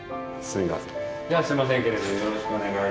すみません。